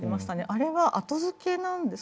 あれは後付けなんですか？